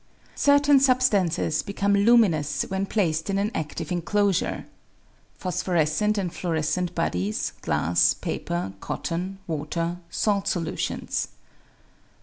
Certain substances become luminous when placed in an adive enclosure (phosphorescent and fluorescent bodies, glass, paper, cotton, water, salt solutions).